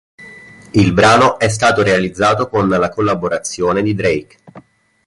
Il brano è stato realizzato con la collaborazione di Drake.